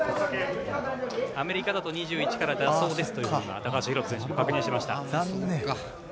アメリカでは２１からだそうですと高橋宏斗選手も確認していました。